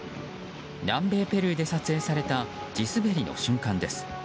南米ペルーで撮影された地滑りの瞬間です。